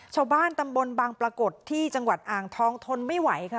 ชาวบ้านตำบลบางปรากฏที่จังหวัดอ่างทองทนไม่ไหวค่ะ